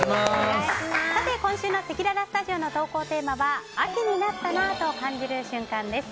今週のせきららスタジオの投稿テーマは秋になったなぁと感じる瞬間です。